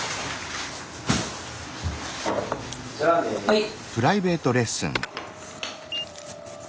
はい。